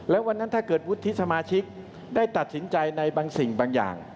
แล้ววันนั้นถ้าเกิดวุฒิสมาชิกได้ตัดสินใจในบางสิ่งบางอย่าง